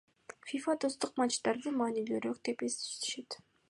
ФИФА достук матчтарын маанилүүрөөк деп эсептешет.